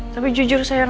tapi jujur sayang